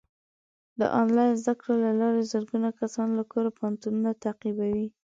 د آنلاین زده کړو له لارې زرګونه کسان له کوره پوهنتونونه تعقیبوي.